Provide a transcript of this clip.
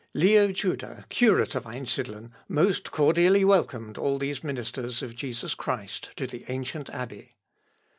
Leo Juda, curate of Einsidlen, most cordially welcomed all these ministers of Jesus Christ to the ancient abbey.